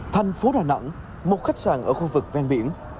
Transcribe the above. thành phố đà nẵng một khách sạn ở khu vực ven biển